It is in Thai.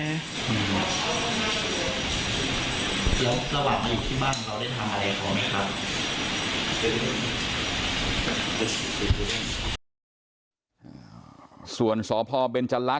แล้วระหว่างมาอยู่ที่บ้านเราได้ทำอะไรของเขาไหมครับ